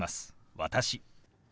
「私」。